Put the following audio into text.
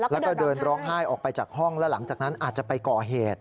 แล้วก็เดินร้องไห้ออกไปจากห้องแล้วหลังจากนั้นอาจจะไปก่อเหตุ